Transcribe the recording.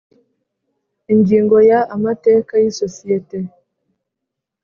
Ingingo ya Amateka y isosiyete